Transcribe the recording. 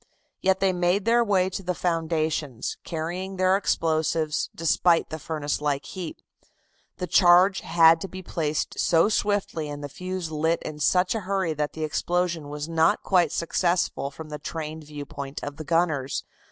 Yet they made their way to the foundations, carrying their explosives, despite the furnace like heat. The charge had to be placed so swiftly and the fuse lit in such a hurry that the explosion was not quite successful from the trained viewpoint of the gunners.